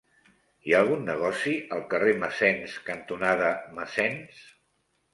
Hi ha algun negoci al carrer Massens cantonada Massens?